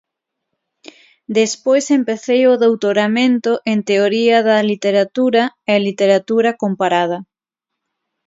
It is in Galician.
Despois empecei o doutoramento en Teoría da Literatura e Literatura Comparada.